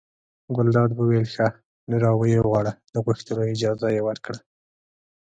ګلداد وویل ښه! نو را ویې غواړه د غوښتلو اجازه یې ورکړه.